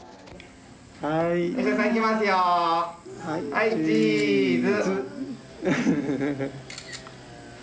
はい、チーズ。